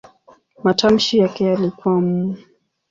Matamshi yake yalikuwa "m".